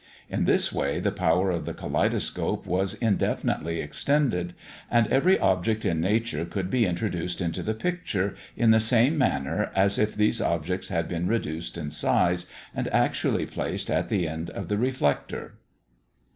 In this way, the power of the kaleidoscope was indefinitely extended, and every object in nature could be introduced into the picture, in the same manner as if these objects had been reduced in size, and actually placed at the end of the reflector.